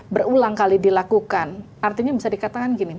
berulang kali dilakukan artinya bisa dikatakan gini